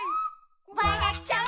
「わらっちゃう」